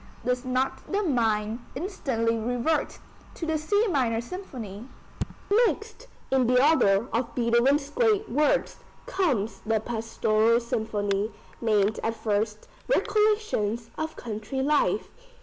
Does not the mind instantly revert to the C minor Symphony? Next in the order of Beethoven's great works comes the Pastoral Symphony, named at first "Recollections of country life."